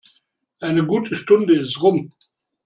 Eine gute Stunde ist rum.